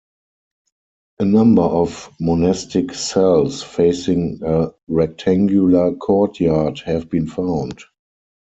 A number of monastic cells facing a rectangular courtyard have been found.